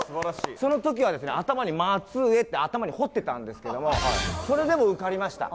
その時はですね頭に「まつえ」って頭にほってたんですけどもそれでも受かりました。